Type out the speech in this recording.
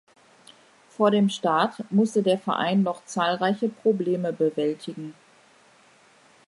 Vor dem Start musste der Verein noch zahlreiche Probleme bewältigen.